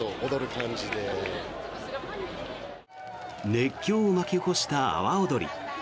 熱狂を巻き起こした阿波おどり。